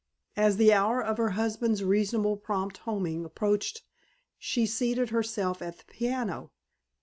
As the hour of her husband's reasonably prompt homing approached she seated herself at the piano.